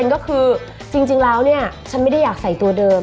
ก็คือจริงแล้วเนี่ยฉันไม่ได้อยากใส่ตัวเดิม